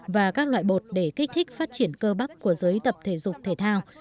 và các loại bột để kích thích phát triển cơ bắp của giới tập thể dục thể thao